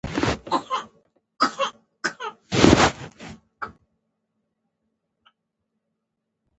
د کرنې په سکتور کې ګټمنتیا کچه خورا لوړه شوه.